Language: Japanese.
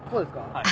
はい。